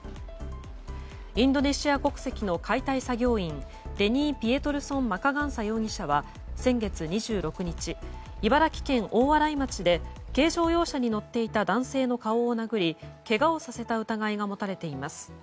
インドネシア国籍の解体作業員デニー・ピエトルソン・マカガンサ容疑者は先月２６日、茨城県大洗町で軽乗用車に乗っていた男性の顔を殴りけがをさせた疑いが持たれています。